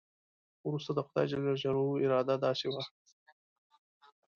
وروسته د خدای جل جلاله اراده داسې وه.